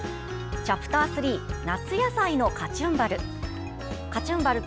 チャプター３夏野菜のカチュンバル。